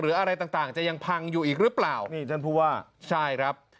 อะไรต่างต่างจะยังพังอยู่อีกหรือเปล่านี่ท่านผู้ว่าใช่ครับ